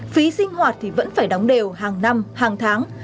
phí sinh hoạt thì vẫn phải đóng đều hàng năm hàng tháng